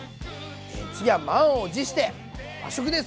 え次は満を持して和食です！